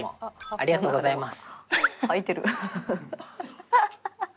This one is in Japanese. ありがとうございます。